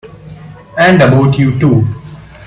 And about you too!